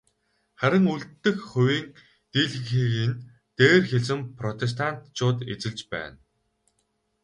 Харин үлдэх хувийн дийлэнхийг нь дээр хэлсэн протестантчууд эзэлж байна.